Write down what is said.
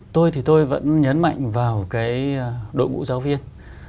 tôi thì tôi vẫn nhấn mạnh vào cái đội ngũ giáo viên